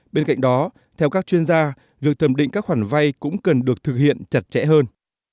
bên cạnh đó theo các chuyên gia việc thẩm định các khoản vay cũng cần được thực hiện chặt chẽ hơn